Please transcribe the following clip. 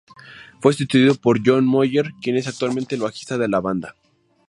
Fue sustituido por John Moyer, quien es actualmente el bajista de la banda.